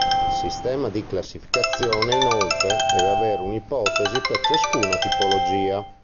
Il sistema di classificazione inoltre, deve avere un’ipotesi per ciascuna tipologia.